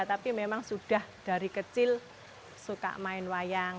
tapi memang sudah dari kecil suka main wayang